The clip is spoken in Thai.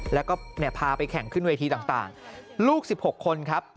แล้วก็พาไปแข่งขึ้นเวทีต่างลูก๑๖คนครับ